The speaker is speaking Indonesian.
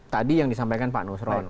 tadi yang disampaikan pak nusron